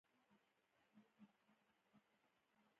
اشر د یووالي او همکارۍ غوره بیلګه ده.